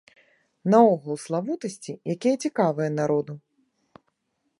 Наогул славутасці, якія цікавыя народу.